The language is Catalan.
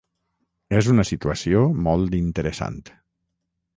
És una situació molt interessant.